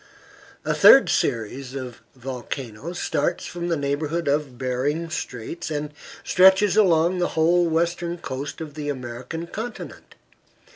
A third series of volcanoes starts from the neighborhood of Behring's Straits, and stretches along the whole western coast of the American continent.